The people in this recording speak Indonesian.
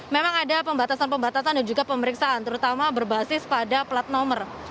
memang ada pembatasan pembatasan dan juga pemeriksaan terutama berbasis pada plat nomor